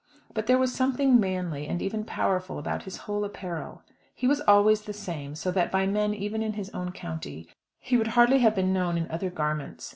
But there was something manly, and even powerful about his whole apparel. He was always the same, so that by men even in his own county, he would hardly have been known in other garments.